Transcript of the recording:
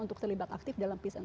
untuk terlibat aktif dalam peace and